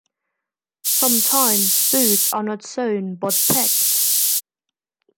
Sometimes boots are not sewn, but pegged.